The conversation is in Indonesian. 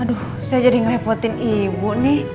aduh saya jadi ngerepotin ibu nih